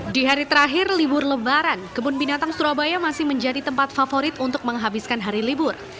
di hari terakhir libur lebaran kebun binatang surabaya masih menjadi tempat favorit untuk menghabiskan hari libur